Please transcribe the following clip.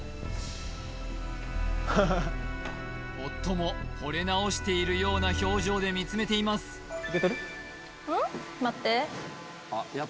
ハハハ夫もほれ直しているような表情で見つめています１４！